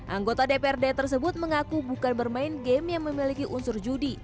anggota dprd tersebut mengaku bukan bermain game yang memiliki unsur judi